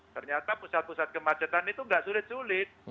ternyata pusat pusat kemacetan itu tidak sulit sulit